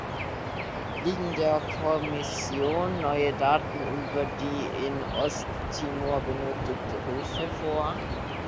Liegen der Kommission neue Daten über die in Osttimor benötigte Hilfe vor?